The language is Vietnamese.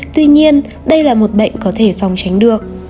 tuy nhiên đây là một bệnh có thể phòng tránh được